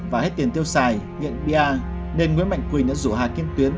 và hết tiền tiêu xài nhận pa nên nguyễn mạnh quỳnh đã rủ hà kiếp tuyến